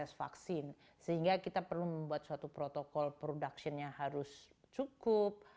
vaksin sehingga kita perlu membuat suatu protokol production nya harus cukup